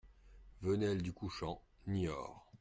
Venelle du Couchant, Niort